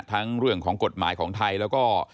เรื่องของกฎหมายของไทยแล้วก็